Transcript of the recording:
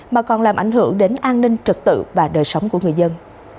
mà còn làm ảnh hưởng đến an ninh trật tự và đời sống của người dân